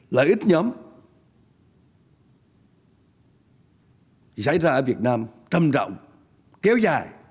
lợi ích nhóm xảy ra ở việt nam thâm rộng kéo dài